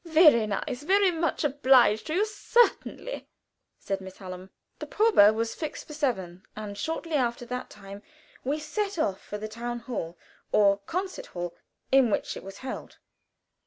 "Very nice! very much obliged to you. Certainly," said Miss Hallam. The probe was fixed for seven, and shortly after that time we set off for the Tonhalle, or concert hall, in which it was held.